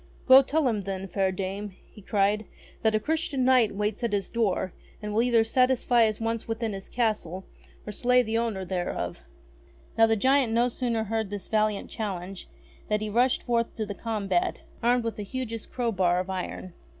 "Go tell him then, fair dame," he cried, "that a Christian Knight waits at his door, and will either satisfy his wants within his castle or slay the owner thereof." ST. GEORGE OF MERRIE ENGLAND ii Now the giant no sooner heard this valiant challenge than he rushed forth to the combat, armed with a hugeous crowbar of iron.